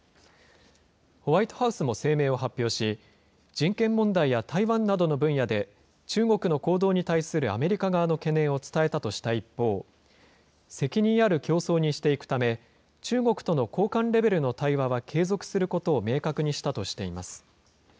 ホワイトハウスも声明を発表し、人権問題や台湾などの分野で、中国の行動に対するアメリカ側の懸念を伝えたとした一方、責任ある競争にしていくため、中国との高官レベルの対話は継続することを明確にしたとしています。